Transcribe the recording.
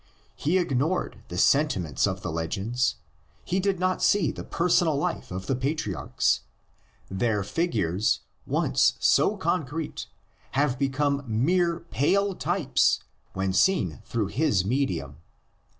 He ignored the sentiments of the legends, he did not see the personal life of the patriarchs; their figures, once so concrete, have become mere pale types when seen through his medium.